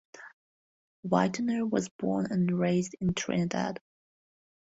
Whitener was born and raised in Trinidad.